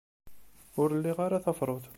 Ur liɣ ara tafrut.